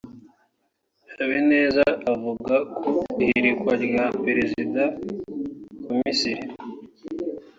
Habineza avuga ku ihirikwa rya Perezida wa Misiri